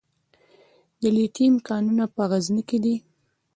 د لیتیم کانونه په غزني کې دي